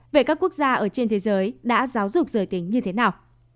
vậy các quốc gia ở trên thế giới đã giáo dục giới tính như thế nào